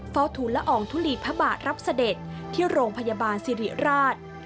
ทุนละอองทุลีพระบาทรับเสด็จที่โรงพยาบาลสิริราช